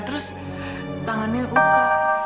terus tangannya ruka